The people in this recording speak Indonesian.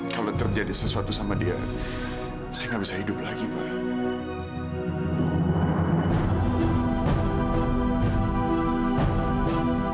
kalau terjadi sesuatu sama dia saya nggak bisa hidup lagi pak